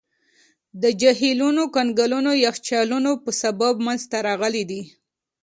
دا جهیلونه د کنګلونو یخچالونو په سبب منځته راغلي دي.